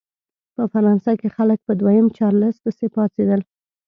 په فرانسه کې خلک په دویم چارلېز پسې پاڅېدل.